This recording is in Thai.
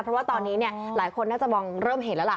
เพราะว่าตอนนี้เนี่ยหลายคนน่าจะมองเริ่มเห็นแล้วล่ะ